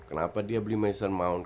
kenapa dia beli maison mount